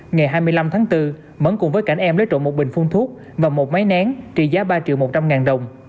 ngày hai mươi năm tháng bốn mẫn cùng với cả em lấy trộn một bình phun thuốc và một máy nén trị giá ba triệu một trăm linh ngàn đồng